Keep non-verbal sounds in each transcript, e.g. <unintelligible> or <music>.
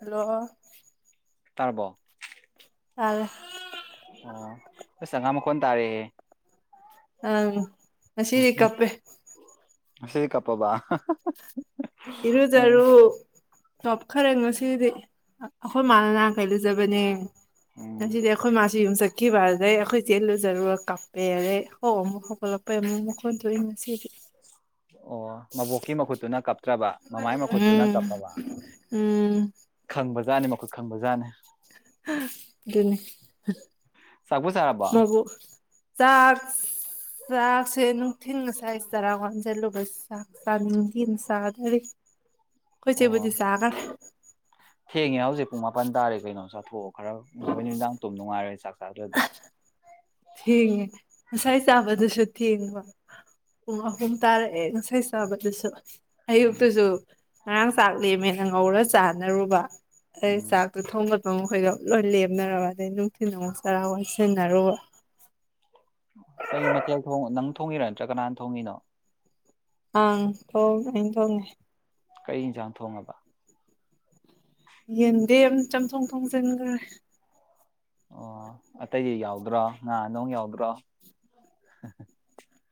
hello ꯇꯥꯔꯔꯕꯣ ꯇ ꯑꯣ ꯁꯒꯥꯝ ꯃꯈꯣꯟ ꯇꯥꯔꯦꯍꯦ ꯑꯁꯤꯔꯤ ꯀꯄꯦ ꯁꯤꯦ ꯀꯄꯕꯥ ꯏꯔꯗꯔꯨ ꯇꯣꯞ ꯈꯔ ꯉꯁꯤꯗꯤ ꯑꯩꯈꯣꯏ ꯏꯃꯅ ꯅꯍꯥꯟ ꯀꯩ ꯂꯩꯨꯖꯕꯅꯦ ꯉ ꯎꯝ ꯁꯤꯗꯤ ꯑꯩꯈꯣꯏ ꯃꯥꯁꯤ ꯌꯨꯝ ꯆ ꯀꯈꯤꯕꯥꯖ ꯑꯩꯈꯣꯏ ꯆꯂꯨꯖꯔꯨ ꯀꯥꯄꯦꯔꯦ ꯍꯣ ꯃꯨ ꯁ ꯄ ꯃꯨ ꯃꯣꯟ ꯊꯣꯏ ꯃꯁꯤꯗꯤ ꯑꯣ ꯃꯕꯣꯛꯀꯤ ꯃꯈꯨꯠꯇꯨꯅ ꯀꯞꯇ꯭ꯔꯕ ꯃꯃꯥꯏ ꯃꯈꯨꯠꯇꯨꯅ ꯎꯝ ꯀꯞꯄꯕ ꯎꯝ ꯈꯪꯕꯖꯥꯠꯅꯤ ꯃꯈꯨꯠ ꯈꯪꯕꯖꯥꯠꯅꯤ ꯑꯗꯨꯅꯤ ꯆꯥꯛꯄꯨ ꯆꯥꯔꯕꯣ ꯃꯕꯨ ꯆꯥꯛ ꯆꯥꯛꯁꯦ ꯅꯨꯡꯊꯤꯜ ꯉꯁꯥꯏ ꯆꯔꯥ ꯋꯥꯟꯁꯤꯜꯂꯨꯕ ꯆꯥꯛ ꯆꯥꯅꯤꯡꯊꯤꯅ ꯆꯥꯗꯔꯤ ꯑꯣ ꯀꯣꯏꯁꯕꯨꯗꯨꯁꯒꯔ ꯊꯦꯡꯉꯦ ꯍꯧꯖꯤꯛ ꯄꯨꯡ ꯃꯥꯄꯟ ꯇꯥꯔꯦ ꯀꯩꯅꯣ ꯆ ꯍ ꯈꯔ ꯅꯣꯏ ꯅꯨꯃꯤꯗꯥꯡ ꯇꯨꯝꯝ ꯉꯥꯏꯔꯦ ꯆꯥꯛ ꯆꯔꯗꯦ ꯊꯦꯡꯉꯦ ꯉꯁꯥꯏ ꯆꯥꯕꯗꯨꯁꯨ ꯊꯦꯡꯕ ꯄꯨꯡ ꯑꯍꯨꯝ ꯇꯥꯔꯛꯑꯦ ꯉꯁꯥꯏ ꯆꯥꯕꯗꯨꯁꯨ ꯎꯝ ꯑꯩꯛꯇꯁꯨꯣ ꯉꯔꯥꯡ ꯆꯥꯛ ꯂꯦꯝꯃꯦꯅ ꯉꯧꯔ ꯆꯥꯅꯔꯨꯕ ꯑꯩ ꯎꯝ ꯆꯀ ꯊ ꯃꯈꯣꯏꯗꯣ ꯂꯣꯏ ꯂꯦꯝꯅꯔꯕ ꯑꯗꯩ ꯅꯨꯡꯊꯤꯜ ꯑꯃꯨꯛ ꯆꯔꯥ ꯋꯥꯁꯟꯅꯔꯨꯕ ꯀꯩ ꯃꯊꯦꯜ ꯊ ꯅꯪ ꯊꯣꯡꯉꯤꯔ ꯅꯠꯇ꯭ꯔ ꯀꯅꯥꯅ ꯊꯣꯡꯉꯤꯅꯣ ꯑꯥ ꯇꯣꯡꯉ ꯇꯣꯡꯉꯦ ꯀꯩ ꯌꯦꯟꯁꯥꯡ ꯊꯣꯡꯉꯕ ꯌꯦꯟꯗꯦ ꯑꯃ ꯆꯝꯊꯣꯡ ꯊꯣꯡꯁꯤꯟꯈ꯭ꯔꯦ ꯑꯣ ꯑꯇꯩꯗꯤ ꯌꯥꯎꯗ꯭ꯔꯣ ꯉꯥ ꯅꯅꯨꯡ ꯌꯥꯎꯗ꯭ꯔꯣ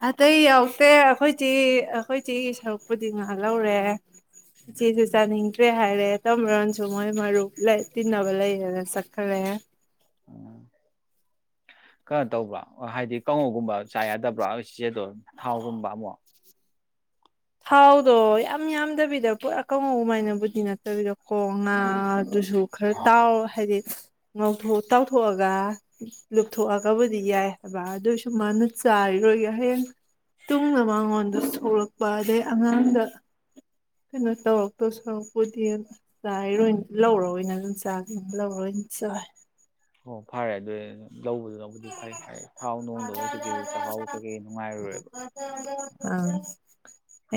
ꯑꯇꯩ ꯌꯥꯎꯗꯦ ꯑꯩꯈꯣꯏꯆꯦ ꯑꯩꯈꯣꯏ ꯆꯦ ꯁꯔꯨꯛꯄꯨꯗꯤ ꯉꯥꯏꯍꯍꯔꯦ ꯆ ꯆ ꯆꯥꯅꯤ ꯆ꯭ꯔꯦ ꯍꯥꯏꯔꯦ ꯇꯝꯃꯨꯔꯅꯁꯨ ꯃꯣꯏ ꯃꯔꯨꯞ ꯇꯤꯟꯅꯕ ꯂꯩꯌꯦꯅ ꯆꯠꯈꯂꯦ ꯎꯝ ꯀꯩꯅꯣ ꯇꯧꯕ꯭ꯔꯥ ꯍꯥꯏꯗꯤ ꯀꯥꯡꯉꯧꯒꯨꯝꯕ ꯆꯥ ꯌꯥꯗꯕ꯭ꯔꯥ ꯏꯆꯦꯗꯣ ꯊꯥꯎꯒꯨꯝꯕ ꯑꯃꯛ ꯊꯥꯎꯗꯣ ꯌꯥꯝ ꯌꯥꯝꯗꯕꯤꯗ ꯄꯨꯔꯥ ꯀꯥꯡꯉꯧꯃꯥꯏꯅꯕꯨꯗꯤ ꯅꯠꯇꯕꯤꯗꯀꯣ ꯉꯥꯗꯨꯁꯨ ꯈꯔ ꯇꯥꯎ ꯍꯥꯏꯗꯤ ꯉ ꯇꯥꯎꯊꯣꯛꯑꯒ ꯂꯨꯞꯊꯣꯛꯑꯒꯕꯨꯗꯤ ꯌꯥꯏ ꯍꯥꯏꯕ ꯑꯗꯨꯏꯁꯨ ꯃꯥꯅ ꯆꯥꯔꯤꯔꯣꯏꯒꯦ ꯍꯌꯦꯡ ꯇꯨꯡꯅ ꯃꯉꯣꯟꯗ ꯑꯗꯦ ꯑꯉꯥꯡꯒ ꯀꯩꯅꯣ ꯇꯧꯔꯛꯇꯧ ꯁꯔꯛꯄꯨꯗꯤ ꯆꯥꯏꯔꯣꯏꯅ ꯂꯧꯔ ꯑꯣꯏꯅ ꯑꯗꯨꯝ ꯆꯥꯒ ꯂꯧꯔꯣꯏ ꯑꯣꯏꯅ ꯆꯥꯏ ꯑꯣ ꯐꯔꯦ ꯑꯗꯨ ꯂꯧꯕꯗꯨꯅꯕꯨꯗꯤ ꯐꯩ ꯍꯥꯏ ꯊꯥꯎ ꯅꯨꯡꯗꯕ ꯍꯧꯖꯤꯛꯀꯤ ꯆꯥꯛꯈꯥꯎ ꯆꯀꯦ ꯅꯨꯡꯉꯥꯏꯔꯨꯔꯣꯏꯦꯕ ꯑꯥ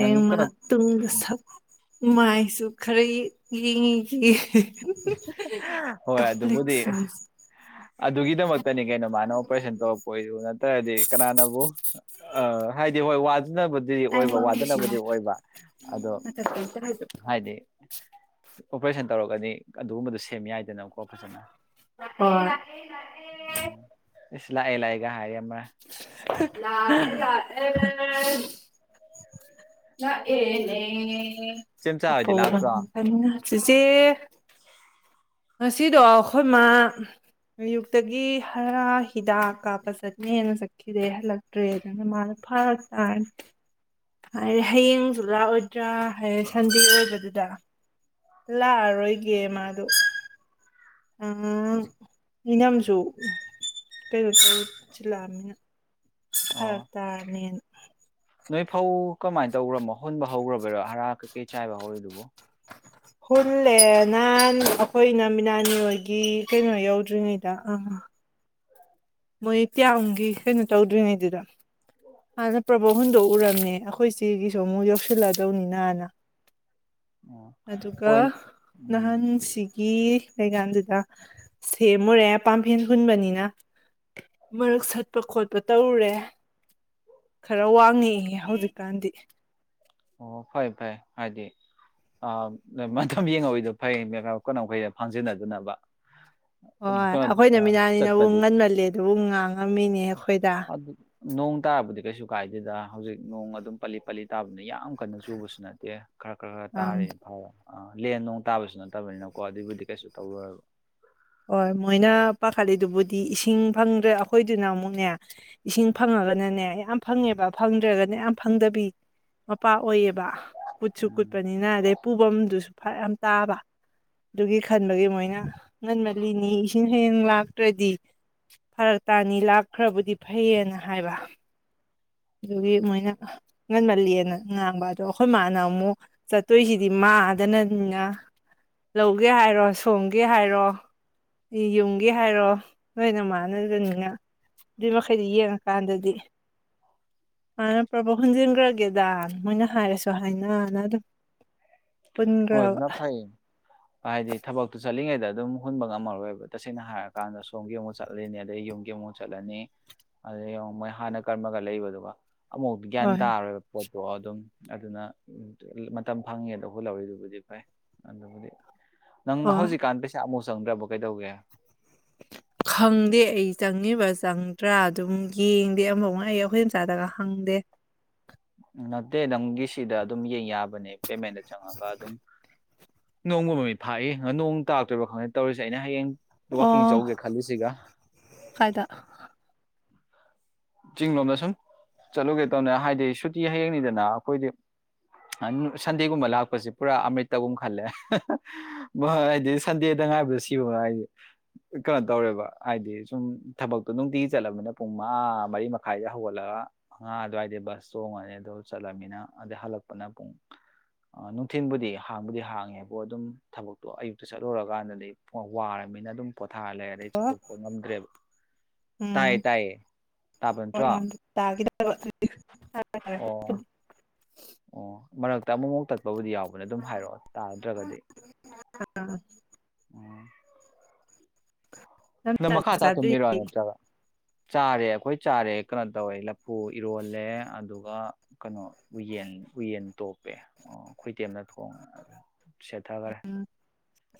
ꯅꯪꯒꯤ ꯃꯥ ꯀꯩꯅꯣ ꯇꯨꯡꯗ ꯁꯛ ꯃꯥꯏꯁꯨ ꯈꯔ ꯌꯦꯡꯉꯤꯁꯤ ꯍꯣꯏ ꯑꯗꯨꯕꯨꯗꯤ ꯀꯝꯄ꯭ꯂꯦꯛꯁꯟ ꯑꯗꯨꯒꯤꯗꯃꯛꯇꯅꯤ ꯀꯩꯅ ꯃꯥꯅ ꯑꯣꯄꯔꯦꯁꯟ ꯇꯧꯔꯛꯄ ꯑꯣꯏꯁꯨ ꯅꯠꯇ꯭ꯔꯗꯤ ꯀꯅꯥꯅꯕꯨ ꯑ ꯍꯥꯏꯗꯤ ꯍꯣꯏ ꯋꯥ ꯁꯤꯖꯤꯕꯗꯨꯗꯤ ꯑꯣꯏꯕ ꯑꯩꯃꯛꯀꯤꯁꯤꯅ ꯋꯥꯗꯅꯕꯗꯤ ꯑꯣꯏꯕ ꯑꯗꯣ ꯃꯊꯛꯇ ꯑꯝꯇ ꯍꯥꯏꯗꯣ ꯍꯥꯏꯗꯤ ꯑꯣꯄꯔꯦꯁꯟ ꯇꯧꯔꯒꯅꯤ ꯑꯗꯨꯒꯨꯝꯕꯗꯣ ꯁꯦꯝꯃꯤ ꯌꯥꯏ ꯅ ꯀꯣ ꯐꯁꯅ ꯍꯣꯏ ꯎ ꯏꯁ ꯂꯥꯛꯥꯏ ꯂꯥꯏꯑꯒ ꯍꯥꯏ ꯑꯃ ꯂ ꯇꯦ ꯃꯔ ꯂ ꯑꯦꯅꯦ ꯏꯆꯦꯝꯆꯥ ꯍꯣꯏꯗꯤ ꯀꯄ ꯂꯥꯛꯇ꯭ꯔꯣ ꯑꯣ ꯁꯤꯆꯦ ꯉꯁꯤꯗꯣ ꯑꯩꯈꯣꯏ ꯃꯥ ꯑꯌꯨꯛꯇꯒꯤ ꯍꯥꯔ ꯍꯤꯗꯥꯛ ꯀꯥꯞꯄ ꯆꯠꯅꯦꯅ ꯆꯠꯈꯤꯗꯦ ꯍꯜꯂꯛꯇ꯭ꯔꯦ ꯑꯗꯨꯅ ꯃꯥꯅ ꯐꯥꯔ ꯇꯥꯔꯅꯤ ꯍꯥꯏꯗꯤ ꯍꯌꯦꯡꯁꯨꯨꯂꯥꯛꯑꯣꯏꯗ꯭ꯔꯥ ꯍꯥꯏꯔ ꯁꯟꯗꯦ ꯑꯣꯏꯕꯗꯨꯗ ꯂꯥꯛꯑꯔꯣꯏꯒꯦ ꯃꯥꯗꯣ ꯎ ꯏꯅꯝꯁꯨ ꯀꯩꯅꯣ ꯇꯧꯁꯤꯜꯂꯛꯑꯅꯤꯅ ꯍꯔ ꯇꯂꯤꯟ ꯅꯣꯏ ꯐꯥꯎ ꯀꯃꯥꯏ ꯇꯧꯈ꯭ꯔꯃꯣ ꯍꯨꯟ ꯍꯧꯈ꯭ꯔꯕꯔꯣ ꯍꯥꯔ ꯀ ꯆꯥꯏꯕꯍꯔꯤꯗꯨꯕ ꯍꯨꯜꯂꯦ ꯅꯍꯥꯟ ꯑꯩꯈꯣꯏꯅ ꯃꯤꯅꯥꯅꯤ ꯍꯣꯏꯒꯤ ꯀꯩꯅꯣ ꯌꯧꯗ꯭ꯔꯤꯉꯩꯗ ꯑꯥ ꯃꯣꯏ ꯇꯤꯌꯥꯃꯨꯒꯤ ꯀꯩꯅꯣ ꯇꯧꯗ꯭ꯔꯤꯉꯩꯗꯨꯗ ꯍꯥꯟꯅ ꯄ꯭ꯔꯕꯣ ꯍꯨꯟꯗꯣꯛꯎꯔꯝꯃꯦ ꯑꯩꯈꯣꯏ ꯏꯆꯦꯒꯤꯁꯨ ꯑꯃꯨꯛ ꯌꯧꯁꯤꯜꯂꯛꯗꯧꯅꯤꯅ ꯍꯥꯟꯅ ꯑꯣ ꯑꯗꯨꯒ ꯍꯣꯏ ꯎꯝ ꯅꯍꯥꯟꯁꯤ ꯒꯤ ꯃꯩꯀꯥꯟꯗꯨꯗ ꯁꯦꯝꯃꯨꯔꯦ ꯄꯥꯝꯐꯦꯟ ꯍꯨꯟꯕꯅꯤꯅ ꯃꯔꯛ ꯁꯠꯄ ꯈꯣꯠꯄ ꯇꯧꯔꯨꯔꯦ ꯈꯔ ꯋꯥꯡꯉꯛꯏꯦ ꯍꯧꯖꯤꯛ ꯒꯥꯟꯙꯤ ꯑꯣ ꯐꯩ ꯐꯩ ꯍꯥꯏꯗꯤ ꯑ ꯃꯇꯝ ꯌꯦꯡꯉꯤꯗꯣ ꯐꯩ ꯀꯠꯈꯩꯗ ꯐꯥꯡꯖꯤꯟꯅꯗꯅꯕ ꯍꯣꯏ ꯑꯩꯈꯣꯏꯅ ꯀꯩꯅꯣ ꯃꯤꯅꯥꯅꯤꯅ ꯎ ꯆꯠꯄꯗꯤ ꯉꯟꯃꯜꯂꯦ ꯑꯗꯨ ꯎ ꯉꯥꯡꯉꯝꯃꯤꯅꯦ ꯑꯩꯈꯣꯏꯗ ꯑꯗꯨ ꯅꯣꯡ ꯇꯥꯕꯗꯤ ꯀꯩꯁꯨ ꯎ ꯀꯥꯏꯗꯨꯗ ꯍꯧꯖꯤꯛ ꯅꯣꯡ ꯑꯗꯨꯝ ꯄꯜꯂꯤ ꯄꯜꯂꯤ ꯇꯥꯕꯅ ꯌꯥ ꯌꯥꯝ ꯀꯟꯅ ꯆꯨꯕꯁꯨ ꯅꯠꯇꯦ ꯈꯔ ꯈꯔ ꯈꯔ ꯑꯪ ꯇꯥꯔꯤꯦꯅ ꯐꯥꯔ ꯑꯥ ꯂꯦꯟ ꯅꯨꯡ ꯇꯥꯕꯁꯨ ꯅꯠꯇꯕꯅꯤꯅꯀꯣ ꯑꯗꯨꯏꯕꯨꯗꯤ ꯀꯩꯁꯨ ꯇꯧꯔꯣꯏꯔꯕ ꯍꯣꯏ ꯃꯣꯏꯅ ꯄꯥꯈꯠꯂꯤꯗꯨꯕꯨꯗꯤ ꯏꯁꯤꯡ ꯐꯪꯗ꯭ꯔ ꯑꯩꯈꯣꯏꯗꯨꯅ ꯑꯃꯨꯛꯅꯦ ꯏꯁꯤꯡ ꯐꯪꯉꯒꯅꯅꯦ ꯌꯥꯝ ꯐꯪꯉꯦꯕ ꯐꯪꯗ꯭ꯔꯒꯅ ꯌꯥꯝ ꯐꯪꯗꯕꯤ ꯃꯄꯥ ꯑꯣꯏꯌꯦꯕ ꯀꯨꯠꯁꯨ ꯎꯝ ꯀꯨꯠꯄꯅꯤꯅ ꯑꯗꯩ ꯄꯨꯐꯝꯗꯨ ꯐ ꯌꯥꯝ ꯇꯥꯕ ꯑꯗꯨꯒꯤ ꯈꯟꯕꯒꯤ ꯃꯣꯏꯅ ꯉꯟꯃꯜꯂꯤꯅꯤ ꯏꯁꯤꯡ ꯍꯌꯦꯡ ꯂꯥꯛꯇ꯭ꯔꯗꯤ ꯐꯔꯛ ꯇꯥꯅꯤ ꯂꯥꯛꯈ꯭ꯔꯕꯨꯗꯤ ꯐꯩꯌꯦꯅ ꯍꯥꯏꯕ ꯑꯗꯨꯒꯤ ꯃꯣꯏꯅ ꯉꯟꯃꯜꯂꯤꯦꯅ ꯉꯥꯡꯕ ꯑꯗꯣ ꯑꯩꯈꯣꯏ ꯃꯥꯅꯕ ꯑꯃꯨꯛ ꯆꯠꯇꯣꯏꯁꯤꯗꯤ ꯃꯥꯗꯅꯅꯤꯅ ꯂꯧꯒꯦ ꯍꯥꯏꯔꯣ ꯁꯣꯝꯒꯦ ꯍꯥꯏꯔꯣ ꯌꯨꯝꯒꯦ ꯍꯥꯏꯔꯣ ꯅꯣꯏꯅ ꯃꯥꯟꯅꯗꯅꯤꯅ ꯑꯗꯨꯏ ꯃꯈꯩꯗꯤ ꯌꯦꯡꯉꯀꯥꯟꯗꯗꯤ ꯍꯥꯟꯅ ꯄ꯭ꯔꯕꯣ ꯍꯨꯟꯖꯤꯟꯈ꯭ꯔꯒꯦꯗ ꯃꯣꯏꯅ ꯍꯥꯏꯔꯁꯨ ꯍꯥꯏꯅꯅ ꯑꯗꯨꯝ ꯍꯣꯏ ꯍꯨꯟꯈ꯭ꯔꯕ ꯑꯗꯨꯅ ꯐꯩꯌꯦ ꯍꯥꯏꯗꯤ ꯊꯕꯛꯇꯨ ꯆꯠꯂꯤꯉꯩꯗ ꯑꯗꯨꯝ ꯍꯨꯟꯕ ꯉꯝꯃꯔꯣꯏꯕ ꯇꯁꯦꯡꯅ ꯍꯥꯏꯔꯀꯥꯟꯗ ꯁꯣꯝꯒꯤ ꯑꯃꯨꯛ ꯆꯠꯂꯅꯤ ꯑꯗꯩ ꯌꯨꯝꯒꯤ ꯑꯃꯨꯛ ꯆꯠꯂꯅꯤ ꯑꯗꯩ ꯃꯣꯏ ꯍꯥꯟꯅ ꯀꯔꯝꯃꯒ ꯂꯩꯕꯗꯨꯒ ꯑꯃ ꯃꯛ ꯎꯗꯒꯌꯥꯟ ꯍꯣꯏ ꯇꯥꯔꯣꯏꯕꯣ ꯑꯣ ꯑꯗꯨꯝ ꯑꯗꯨꯅ ꯃꯇꯝ ꯐꯪꯉꯦꯗꯣ ꯍꯈꯣꯏ ꯂꯧꯔꯤꯗꯨ ꯖꯤ ꯄꯥꯏ ꯑꯗꯨꯗꯕꯨꯗꯤ ꯅꯪ ꯍꯣꯏ ꯍꯧꯖꯤꯛꯀꯥꯟ ꯄꯩꯁꯥ ꯑꯃꯨ ꯆꯪꯗ꯭ꯔꯕ ꯀꯩꯗꯧꯒꯦ ꯈꯪꯗꯦ ꯑꯩ ꯆꯪꯉꯤꯕ ꯆꯪꯗ꯭ꯔꯥ ꯑꯗꯨꯝ ꯌꯦꯡꯗꯦ ꯑꯃꯐ ꯑꯩ ꯑꯩꯈꯣꯏ ꯃꯆꯥꯗꯒ ꯈꯪꯗꯦ ꯅꯠꯇꯦ ꯅꯪꯒꯤ ꯁꯤꯗ ꯑꯗꯨꯝ ꯌꯕ ꯃꯅꯦ ꯄꯦꯃꯦꯟꯗ ꯆꯉ ꯀ ꯑꯗꯨꯝ ꯅꯣꯡꯒ ꯃꯃꯤꯠ ꯐꯥꯛꯏ ꯅꯣꯡ ꯇꯥꯛꯇꯣꯏꯕ ꯈꯪꯗ ꯇꯧꯔꯤꯁꯦ ꯑꯩꯅ ꯍꯌꯦꯡ ꯋꯥꯛꯀꯤꯡ ꯑꯣ ꯆꯧꯒꯦ ꯈꯜꯂꯤꯁꯤꯒ ꯀꯥꯏꯗ ꯆꯤꯡꯂꯣꯝꯗ ꯁꯨꯝ ꯆꯠꯂꯨꯒꯦ ꯇꯧꯅꯦ ꯍꯥꯏꯗꯤ ꯁꯨꯇꯤ ꯍꯌꯦꯡꯅꯤꯗꯅ ꯑꯩꯈꯣꯏꯗꯤ ꯁꯟꯗꯦꯒꯨꯝꯕ ꯂꯥꯛꯄꯁꯤꯦ ꯄꯨꯔꯥ ꯑꯃ꯭ꯔꯤꯠꯇꯒꯨꯝ ꯈꯜꯂꯦ ꯍꯥꯏꯗꯤ ꯁꯟꯗꯦꯗ ꯉꯥꯏꯕꯗ ꯁꯤꯕ ꯍꯥꯏꯗꯤ ꯀꯩꯅꯣ ꯇꯧꯔꯦꯕ ꯍꯥꯏꯗꯤ ꯁꯨꯝ ꯊꯕꯛꯇꯣ ꯅꯨꯡꯇꯤꯒꯤ ꯆꯠꯂꯅꯤꯅ ꯄꯨꯡ ꯃꯉꯥ ꯃꯔꯤ ꯃꯈꯥꯏꯗꯦ ꯍꯧꯒꯠꯂꯒ ꯑꯉꯥ ꯑꯗꯨꯋꯥꯏꯗ ꯕꯁ ꯆꯣꯡꯉꯅꯤ ꯑꯗꯣ ꯆꯠꯂꯅꯤꯅ ꯑꯗꯩ ꯍꯜꯂꯛꯄꯅ ꯄꯨꯡ ꯅꯨꯡꯊꯤꯤꯟꯕꯨꯗꯤ ꯍꯥꯡꯕꯨꯗꯤ ꯍꯥꯡꯉꯦꯕꯨ ꯑꯗꯨꯝ ꯊꯕꯛꯇꯣ ꯑꯌꯨꯛꯇ ꯆꯠꯂꯨꯔꯀꯥꯟꯗꯗꯤ ꯄꯨꯡ ꯋꯥꯔꯅꯤꯅ ꯑꯗꯨꯝ ꯊꯥꯜꯂꯦ ꯑꯩ ꯆꯥꯛꯊꯣꯛꯄ ꯉꯝꯗ꯭ꯔꯦꯕ ꯇꯥꯏ ꯇꯥꯏꯌꯦ ꯇꯥꯕ ꯅꯠꯇ꯭ꯔꯣ ꯍ ꯀꯔ ꯑꯣ ꯑꯣ ꯃꯔ ꯇꯃꯥꯎ ꯇꯛꯄꯕꯨ ꯌꯥꯎꯏ ꯇꯅ ꯑꯗꯨꯝ ꯍꯥꯏꯔꯛꯑꯣ ꯇꯥꯗ꯭ꯔꯒꯗꯤ ꯅ ꯃꯈ ꯃꯈꯥ ꯊꯥ ꯊ ꯃꯔ ꯋꯥ ꯅ ꯆ ꯆꯥꯔꯦ ꯑꯩꯈꯣꯏ ꯆꯥꯔꯦ ꯀꯩꯅꯣ ꯇꯧꯋꯦ ꯂꯐꯨ ꯏꯔꯣꯜꯂꯦ ꯑꯗꯨꯒ ꯀꯩꯅꯣ ꯎꯌꯦꯟ ꯎꯌꯦꯟ ꯇꯣꯛꯞꯄꯦ ꯑꯣ ꯈꯣꯏꯇꯦꯝꯗ ꯊꯣꯡꯉꯦ ꯁꯦꯠꯊꯈꯔꯦ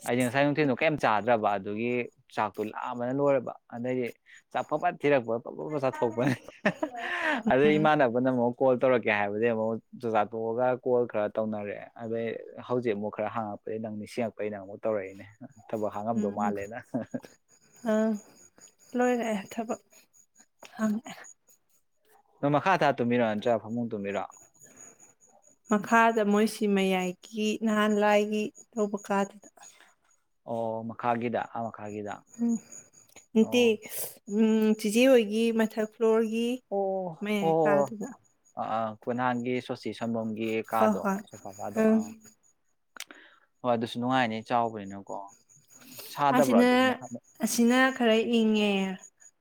ꯑꯩꯗꯤ ꯉꯁꯥꯏ ꯅꯨꯡꯊꯤꯜꯗꯣ ꯀꯩꯝ ꯆꯥꯗ꯭ꯔꯕ ꯑꯗꯨꯒꯤ ꯆꯥꯛ ꯇꯨꯜꯂꯥꯛꯑ ꯑꯃꯅ ꯂꯣꯏꯔꯕ ꯑꯗꯩꯗꯒꯤ ꯆꯐꯠ ꯊꯤꯔꯛꯄ ꯄ ꯆꯥꯊꯣꯛꯄꯅꯦ ꯑꯗꯨꯗꯩ ꯏꯃꯥꯟꯅꯕꯅ ꯑꯃꯨꯛ ꯀꯣꯜ ꯇꯧꯔꯛꯀꯦ ꯀꯩ ꯍꯥꯏꯕꯗꯤ ꯑꯃꯨꯛ ꯆꯥꯆꯥꯥꯊꯣꯛꯑꯒ ꯀꯣꯜ ꯈꯔ ꯇꯧꯅꯔꯦꯗꯩ ꯍꯧꯖꯤꯛ ꯑꯃꯨꯛ ꯈꯔ ꯍꯥꯡꯉꯛꯄꯗꯒꯤꯩ ꯅꯪ ꯅꯤꯡꯁꯤꯡꯉꯛꯄꯩ ꯅꯪ ꯑꯃꯨꯛ ꯇꯧꯔꯛꯏꯅꯦ ꯊꯕꯛ ꯍꯥꯡꯉꯝꯗꯧ ꯃꯥꯜꯂꯦꯅ ꯑꯪ ꯂꯣꯏꯔꯛꯑꯦ ꯊꯕꯛ ꯍꯪꯉꯛꯑꯦ ꯅ ꯃ ꯃꯈꯥ ꯊꯥ ꯇꯨꯝꯃꯤꯔꯛꯟꯆꯥ ꯐꯃꯨꯡ ꯇꯨꯝꯃꯤꯔꯛ ꯑꯗ ꯃꯣꯏꯁꯤ ꯃꯌꯥꯏꯒꯤ ꯅꯍꯥꯟ ꯂꯥꯏꯒꯤ ꯇꯧꯕ ꯀꯥꯗꯨꯗ ꯑꯣ ꯃꯈꯥꯒꯤꯗ ꯃꯈꯥꯒꯤꯗ ꯎꯝ <inaudible> ꯇꯦ ꯑꯣ ꯑꯣ ꯎꯝ ꯆꯤꯆꯦ ꯍꯣꯏꯒꯤ ꯃꯊꯛ ꯐ꯭ꯂꯣꯔꯒꯤ ꯑꯣ ꯃꯌꯥꯏ ꯑꯣ ꯀꯥꯗꯨꯗ ꯑ ꯀ ꯅꯍꯥꯡꯒꯤ ꯑꯁꯤ ꯁꯪꯝꯕꯣꯝꯒꯤ ꯍꯣꯏ ꯀꯥꯗꯣ ꯍꯣꯏ ꯁꯣꯐꯚꯥꯗꯣ ꯎꯝ ꯑꯥ ꯍꯣꯏ ꯑꯗꯨꯁꯨ ꯅꯨꯡꯉꯥꯏꯅꯤ ꯆꯥꯎꯕꯅꯤꯅꯀꯣ ꯁꯥꯗꯕ꯭ꯔꯥ ꯑꯁꯤꯅ ꯑꯗꯨ ꯃꯈꯥ ꯑꯁꯤꯅ ꯈꯔ ꯏꯪꯉꯦ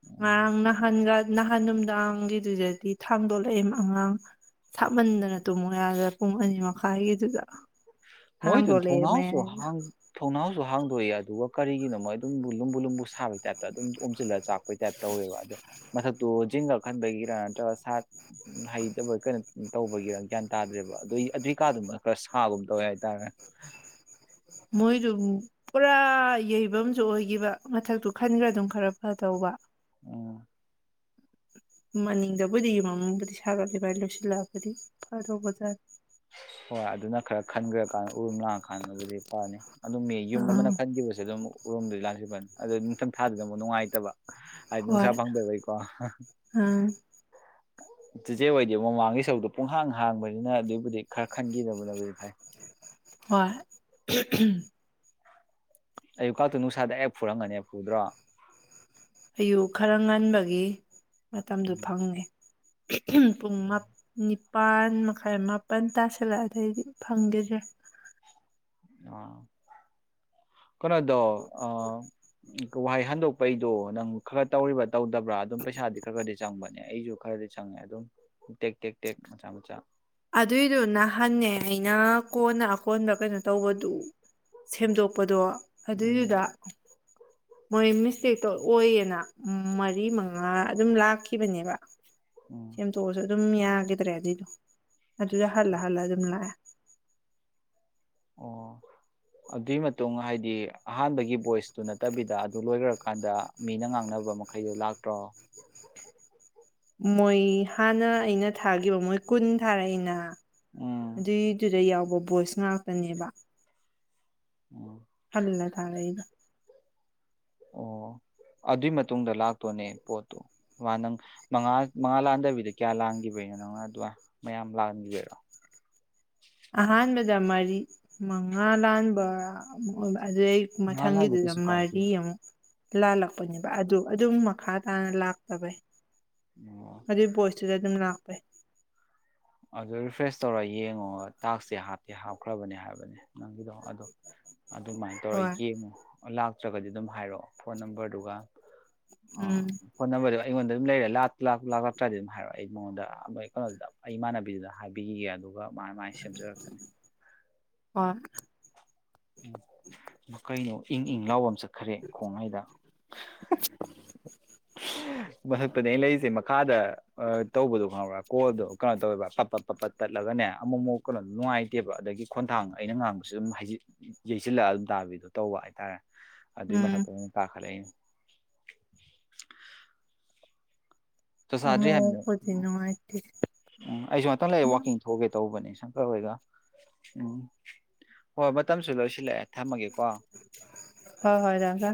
ꯎꯝ ꯃꯪꯅ ꯍꯟꯒꯥ ꯅꯍꯥꯟ ꯅꯨꯡꯗꯥꯡꯒꯤꯗꯨꯗꯗꯤ ꯊꯥꯡꯗꯣꯛꯂꯛꯑꯦ ꯑꯉꯥꯡ ꯊꯞꯃꯟꯗꯅ ꯇꯨꯝꯃꯨ ꯌꯥꯗꯦ ꯄꯨꯡ ꯑꯅꯤ ꯃꯈꯥꯏꯒꯤꯗꯨꯗ ꯃꯣꯏ ꯊꯥꯡꯗꯣꯛꯂꯛꯑꯦ ꯊꯧꯅꯥꯎꯁꯨ ꯃꯌꯥꯏꯗ ꯍ ꯊꯧꯅꯥꯎ ꯁꯨ ꯍꯥꯡꯗꯣꯛꯑ ꯑꯗꯨꯒ ꯀꯔꯤꯒꯤꯅꯣ ꯃꯣꯏ ꯑꯗꯨꯝ ꯂꯨꯝꯕꯨ ꯂꯨꯝꯕꯨ ꯁꯥꯕꯒꯤ ꯇꯥꯏꯞꯇ ꯑꯗꯨꯝ ꯑꯣꯝꯁꯤꯜꯂꯒ ꯆꯥꯛꯄꯩ ꯇꯥꯏꯞ ꯇꯧꯋꯦꯕ ꯑꯗꯣ ꯃꯊꯛꯇꯣ ꯖꯤꯡꯒꯔ ꯈꯟꯕꯒꯤꯔ ꯅꯠꯇ꯭ꯔꯒ ꯁꯥ ꯍꯩꯇꯕ ꯀꯩꯅꯣ ꯇꯧꯕꯒꯤꯔꯥ ꯒ꯭ꯌꯥꯟ ꯇꯥꯗ꯭ꯔꯦꯕ ꯑꯗꯨ ꯑꯗꯨꯏ ꯀꯥꯗꯨ ꯈꯔ ꯁꯥꯒꯨꯝ ꯇꯧꯋꯦ ꯍꯥꯏ ꯇꯥꯔꯦ ꯃꯣꯏꯗꯨ ꯄꯨꯔꯥ ꯌꯩꯕ ꯑꯃꯁꯨ ꯑꯣꯏꯒꯤꯈꯤꯕ ꯃꯊꯛꯇꯨ ꯈꯟꯈ꯭ꯔ ꯑꯗꯨꯝ ꯈꯔ ꯐꯗꯧꯕ ꯎꯝ ꯃꯅꯤꯡꯗꯕꯨꯗꯤꯒꯤ ꯃꯃꯡꯕꯨꯗꯤ ꯁꯥꯒꯠꯂꯤꯃꯥꯏꯅ ꯂꯣꯏꯁꯤꯜꯂꯛꯑꯒꯗꯤ ꯐꯗꯧꯕꯖꯥꯔꯦ ꯍꯣꯏ ꯑꯗꯨꯅ ꯈꯔ ꯈꯟꯈ꯭ꯔꯀꯥꯟꯗ ꯎꯔ ꯂꯥꯡꯉꯀꯥꯟꯗꯕꯨꯗꯤ ꯐꯅꯤ ꯑꯗꯨꯝ ꯃꯤ ꯌꯨꯝ ꯑꯃꯅ ꯑꯥ ꯈꯟꯈꯤꯕꯁꯦ ꯑꯗꯨꯝ ꯎꯔꯣꯝꯗꯗꯤ ꯂꯥꯛꯁꯤ ꯐꯅꯤ ꯑꯗꯨꯗ ꯊꯪ ꯊꯥꯗ ꯑꯃꯨꯛ ꯅꯨꯡꯉꯥꯏꯇꯕ ꯑ ꯅꯨꯡꯁꯥ ꯍꯣꯏ ꯐꯪꯗꯏꯀꯣ ꯑꯪ ꯆꯤꯆꯦ ꯑꯣꯏꯗꯦ ꯃꯃꯥꯡꯒꯤ ꯁꯔꯛꯇꯣ ꯄꯨꯡꯍꯥꯡ ꯍꯥꯡꯕꯅꯤꯅ ꯑꯗꯨꯏꯕꯨꯗꯤ ꯈꯔ ꯈꯟꯈꯤꯗꯕꯅꯕꯤ ꯚꯥꯏ ꯍꯣꯏ ꯑꯌꯨꯛꯀꯛꯇꯨ ꯅꯨꯡꯁꯥꯗ ꯑꯦꯞ ꯐꯨꯔꯝꯒꯅꯦ ꯐꯨꯗ꯭ꯔꯣ ꯑꯌꯨꯛ ꯈꯔ ꯉꯟꯕꯒꯤ ꯃꯇꯝꯗꯨ ꯎꯝ ꯐꯪꯉꯦ ꯍ ꯄꯨꯡ ꯃꯥꯅꯤ ꯅꯤꯄꯥꯥꯟ ꯃꯈꯥꯏ ꯃꯥꯄꯜ ꯇꯁꯤꯜꯂꯛ ꯑꯗꯩꯗꯤ ꯐꯪꯈꯤꯁ꯭ꯔꯦ ꯑꯥ ꯀꯩꯅꯣꯗꯣ ꯑ ꯋꯥꯍꯩ ꯍꯟꯗꯣꯛꯄꯩꯗꯣ ꯅꯪ ꯈꯔ ꯇꯧꯔꯤꯕ ꯇꯧꯗꯕ꯭ꯔꯥ ꯑꯗꯨꯝ ꯄꯩꯁꯥꯗꯤ ꯈꯔ ꯈꯔꯗꯤ ꯆꯪꯕꯅꯤ ꯑꯩꯁꯨ ꯈꯔꯗꯤ ꯆꯪꯉꯦ ꯑꯗꯨꯝ ꯇꯦꯛ ꯇꯦꯛ ꯇꯦꯛ ꯃꯆꯥ ꯃꯆꯥ ꯑꯗꯨꯏꯗꯨ ꯅꯍꯟꯅꯦ ꯑꯩꯅ ꯀꯣꯟꯅ ꯑꯀꯣꯟꯕ ꯀꯩꯅꯣ ꯇꯧꯕꯗꯨ ꯁꯦꯝꯗꯣꯛꯄꯗꯣ ꯎꯝ ꯑꯗꯨꯗꯗ ꯃꯣꯏ ꯃꯤꯁꯇꯦꯛꯇꯣ ꯑꯣꯏꯌꯦꯅ ꯃꯔꯤ ꯃꯉꯥ ꯑꯗꯨꯝ ꯂꯥꯛꯈꯤꯕꯅꯦꯕ ꯎꯝ ꯁꯦꯝꯗꯣꯛꯑꯁꯨ ꯑꯗꯨꯝ ꯌꯥꯒꯦ ꯇꯔꯦꯗꯗꯣ ꯑ ꯑꯗꯨꯖ ꯍꯥꯜꯂ ꯍꯥꯜꯂꯗꯖ ꯃꯂ ꯑꯣ ꯑꯗꯨꯒꯤ ꯃꯇꯨꯡ ꯍꯥꯏꯗꯤ ꯑꯍꯥꯟꯕꯒꯤ ꯚꯣꯏꯁꯇꯨ ꯅꯠꯇꯕꯤꯗ ꯑꯗꯨ ꯂꯣꯏꯈ꯭ꯔꯀꯥꯟꯗ ꯃꯤꯅ ꯉꯥꯡꯅꯕ ꯃꯈꯩꯗꯣ ꯂꯥꯛꯇ꯭ꯔꯣ ꯃꯣꯏ ꯍꯥꯟꯅ ꯑꯩꯅ ꯊꯥꯈꯤꯕ ꯃꯣꯏ ꯀꯨꯟ ꯊꯥꯔꯛꯏꯩꯅ ꯎꯝ ꯑꯗꯨꯏꯗꯨꯗ ꯌꯥꯎꯕ ꯚꯣꯏꯁ ꯉꯥꯛꯇꯅꯦꯕ ꯎꯝ ꯊꯥꯔꯩꯒ ꯑꯣ ꯑꯗꯨꯏ ꯃꯇꯨꯡꯗ ꯂꯥꯛꯇꯣꯅꯦ ꯄꯣꯠꯇꯨ ꯃꯥ ꯅꯪ ꯃꯉꯥ ꯃꯉꯥ ꯂꯥꯛꯍꯗꯕꯤꯗ ꯀꯌꯥ ꯂꯥꯟꯈꯤꯕꯅꯣ ꯅꯪꯅ ꯑꯗꯨ ꯃꯌꯥꯝ ꯂꯥꯟꯈꯤꯕꯔꯣ ꯑꯍꯥꯟꯕꯗ ꯃꯔꯤ ꯃꯉꯥ ꯂꯥꯟ ꯑꯗꯨ ꯑꯩ ꯃꯉꯥ ꯂꯥꯟꯕ ꯃꯊꯪꯒꯤꯗꯨꯗ ꯀꯩꯁꯨ ꯀꯥꯏꯗꯦ ꯃꯔꯤ ꯑꯃꯨꯛ ꯂꯥꯜꯂꯛꯄꯅꯦꯕ ꯑꯗꯨ ꯑꯗꯨꯝ ꯃꯈꯥ ꯇꯥꯅ ꯂꯥꯛꯇꯕꯩ ꯑꯣ ꯑꯗꯨꯏ ꯄꯣꯠꯇꯨꯗ ꯑꯗꯨꯝ ꯂꯥꯛ <unintelligible> ꯑꯗꯨ ꯔꯤꯐ꯭ꯔꯦꯁ ꯇꯧꯔ ꯌꯦꯡꯉꯣ ꯇꯥꯛꯁꯦ ꯍꯥꯞꯇꯦ ꯍꯥꯞꯈ꯭ꯔꯕꯅꯦ ꯍꯥꯏꯕꯅꯦ ꯅꯪꯒꯤꯗꯣ ꯑꯗꯣ ꯑꯗꯨꯃꯥꯏꯅ ꯍꯣꯏ ꯇꯧꯔꯒ ꯌꯦꯡꯉꯨ ꯂꯥꯛꯇ꯭ꯔꯒꯗꯤ ꯑꯗꯨꯝ ꯍꯥꯏꯔꯛꯑꯣ ꯐꯣꯟ ꯅꯝꯕꯔꯗꯨꯒ ꯎꯝ ꯑꯅꯝꯕꯔ ꯑꯩꯉꯣꯟꯗ ꯑꯗꯨꯝ ꯂꯩꯔꯦ ꯂꯥꯛ ꯂꯥꯛꯇ꯭ꯔꯥꯗꯤ ꯑꯗꯨꯝ ꯍꯥꯏꯔꯛꯑꯣ ꯑꯩ ꯃꯉꯣꯟꯗ ꯀꯩꯅꯣꯗ ꯑꯩꯃꯥꯟꯅꯕꯤꯗꯨꯗ ꯍꯥꯏꯕꯤꯈꯤꯒꯦ ꯑꯗꯨꯒ ꯃꯥꯅ ꯃꯥꯥꯏ ꯁꯦꯝꯖꯔꯛꯀꯅꯤ <unintelligible> ꯎꯝ ꯀꯩꯅꯣ ꯏꯪ ꯏꯪ ꯂꯥꯎꯕ ꯑꯃ ꯆꯠꯈ꯭ꯔꯦ ꯈꯣꯡ ꯍꯥꯏꯗ ꯃꯊꯛꯄꯗꯤ ꯑ ꯂꯩꯔꯤꯁꯦ ꯃꯈꯥꯗ ꯇꯧꯕꯗꯣ ꯈꯪꯕ꯭ꯔꯥ ꯀꯣꯜꯗꯣ ꯀꯩꯅꯣ ꯇꯧꯋꯦꯕ ꯄꯞꯄꯠ ꯄꯞꯄꯠ ꯇꯠꯂꯒꯅꯦ ꯑꯃꯨꯛ ꯑꯃꯨꯛ ꯀꯩꯅꯣꯝ ꯅꯨꯡꯉꯥꯏꯇꯦꯕ ꯑꯗꯒꯤ ꯈꯣꯟꯊꯥꯡ ꯑꯩꯅ ꯉꯥꯡꯕꯁꯨ ꯑꯗꯨꯝ ꯌꯩꯁꯤꯜꯂꯛꯑ ꯑꯗꯨꯝ ꯇꯥꯕꯤꯗꯣ ꯇꯧꯕ ꯍꯥꯏꯇꯥꯔꯦ ꯑꯗꯨꯏ ꯎꯝ ꯃꯊꯛꯇ ꯀꯥꯈꯠꯂꯛꯏꯅꯦ ꯆ ꯆꯥꯗ꯭ꯔꯤ ꯍꯥꯏꯕꯅꯦ ꯑꯃꯨꯛꯄꯨꯗꯤ ꯎꯝ ꯅꯨꯡꯉꯥꯏꯇꯦ ꯎꯝ ꯑꯩꯁꯨ ꯉꯥꯛꯇꯪ ꯂꯩ ꯋꯥꯛꯀꯤꯡ ꯊꯣꯛꯒꯦ ꯇꯧꯕꯅꯦ ꯁꯝ ꯃꯣꯢꯒ ꯎꯝ ꯍꯣꯏ ꯍꯣꯏ ꯃꯇꯝꯁꯨ ꯂꯣꯏꯁꯤꯜꯂꯛꯑꯦ ꯊꯝꯃꯒꯦꯀꯣ ꯎ ꯍꯣꯏ ꯍꯣꯏ ꯗꯥ ꯀꯥ